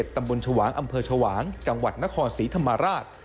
ตำบลชวางอำเภอชวางจังหวัดนครศรีธรรมราช